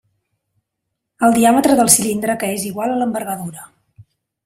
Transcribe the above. El diàmetre del cilindre que és igual a l'envergadura.